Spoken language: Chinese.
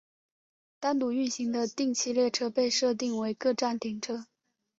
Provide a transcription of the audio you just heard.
单独运行的定期列车被设定为各站停车。